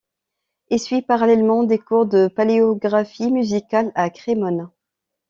Il suit parallèlement des cours de paléographie musicale à Crémone.